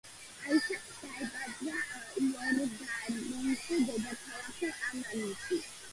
აიშა დაიბადა იორდანიის დედაქალაქ ამანში.